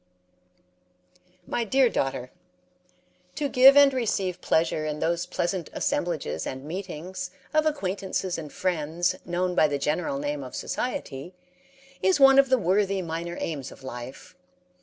My Dear Daughter: To give and receive pleasure in those pleasant assemblages and meetings of acquaintances and friends known by the general name of society, is one of the worthy minor aims of life.